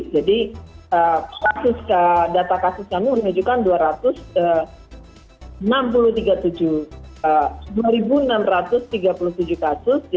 jadi data kasus kami menunjukkan dua ribu enam ratus tiga puluh tujuh kasus